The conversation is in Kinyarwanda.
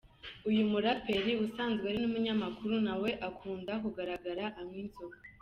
Uyu muraperi usanzwe ari n’umunyamakuru, nawe akunda kugaragara anywa inzoga.